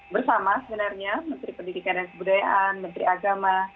bersama sebenarnya menteri pendidikan dan kebudayaan menteri agama